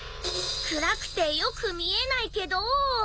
暗くてよく見えないけど。